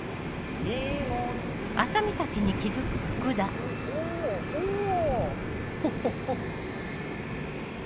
荷物おおぉおぉ。